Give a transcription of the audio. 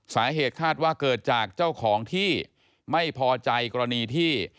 สาเหตุคาดว่าเกิดจากเจ้าของที่ไม่พอใจกรณีที่